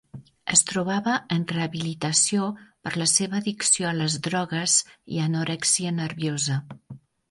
Es trobava en rehabilitació per la seva addicció a les drogues i anorèxia nerviosa.